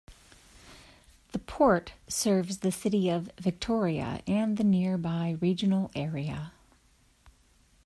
The Port serves the city of Victoria and the nearby regional area.